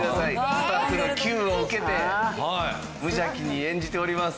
スタッフの「キュー」を受けて無邪気に演じております。